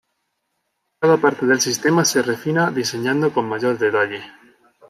Cada parte del sistema se refina diseñando con mayor detalle.